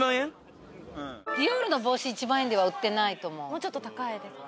もうちょっと高いですか？